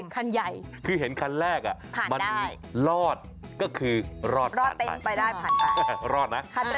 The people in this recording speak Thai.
คันที่สองจะรอดแต่ไม่รอด